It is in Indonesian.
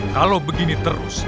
kalau begini terus